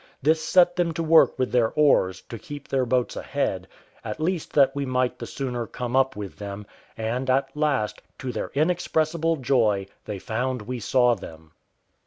This set them to work with their oars, to keep their boats ahead, at least that we might the sooner come up with them; and at last, to their inexpressible joy, they found we saw them.